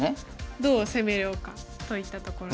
どう攻めようかといったところです。